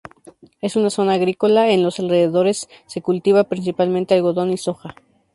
Es una zona agrícola, en los alrededores se cultiva principalmente algodón y soja.